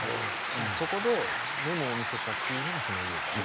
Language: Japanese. じゃあそこでメモを見せたっていうのがその家ですか？